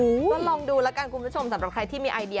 ก็ลองดูแล้วกันคุณผู้ชมสำหรับใครที่มีไอเดีย